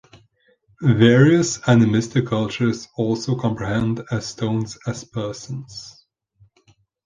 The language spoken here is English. Various animistic cultures also comprehend as stones as persons.